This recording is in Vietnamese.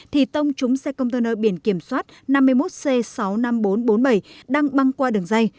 thì tông trúng xe container biển kiểm soát năm mươi một c sáu mươi năm nghìn bốn trăm bốn mươi bảy đang băng qua đường dây